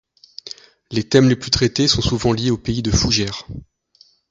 Les thèmes les plus traités sont souvent liés au Pays de Fougères.